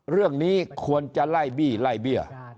เรื่องนี้ควรจะไล่บี้ไล่เบี้ย